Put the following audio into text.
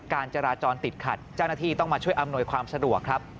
การจราจรติดขัดเจ้าหน้าที่ต้องมาช่วยอำนวยความสะดวกครับ